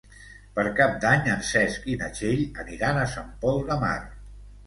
Per Cap d'Any en Cesc i na Txell aniran a Sant Pol de Mar.